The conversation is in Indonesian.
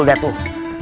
kulit dah tuh